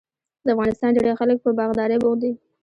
د افغانستان ډیری خلک په باغدارۍ بوخت دي.